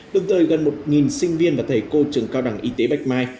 được rời gần một sinh viên và thầy cô trường cao đẳng y tế bạch mai